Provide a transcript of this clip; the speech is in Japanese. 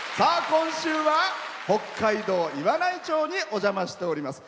今週は北海道岩内町にお邪魔しております。